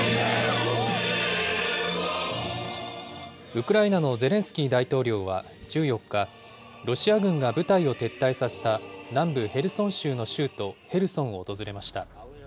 ウクライナのゼレンスキー大統領は１４日、ロシア軍が部隊を撤退させた南部ヘルソン州の州都ヘルソンを訪れました。